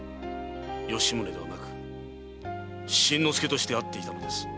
吉宗ではなく新之助として会っていたのです。